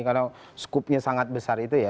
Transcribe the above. karena scoop nya sangat besar itu ya